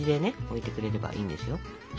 置いてくれればいいんですよ。